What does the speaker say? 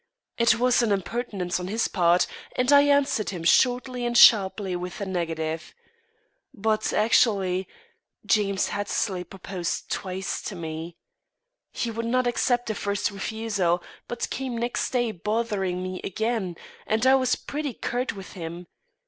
It was an impertinence on his part, and I answered him shortly and sharply with a negative. But actually James Hattersley proposed twice to me. He would not accept a first refusal, but came next day bothering me again, and I was pretty curt with him.